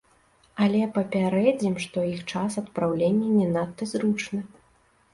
Але папярэдзім, што іх час адпраўлення не надта зручны.